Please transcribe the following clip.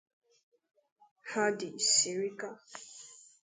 Hadi Sirika